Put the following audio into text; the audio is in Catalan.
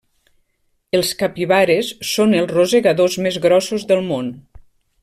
Els capibares són els rosegadors més grossos del món.